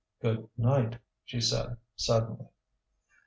"Good night," she said, suddenly.